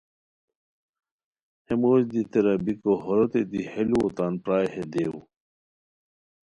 ہے موش دی تیرا بیکو ہوروتے دی ہے لوؤ تان پرائے ہے دیو